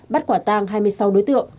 bắt quả tang hai mươi sáu đối tượng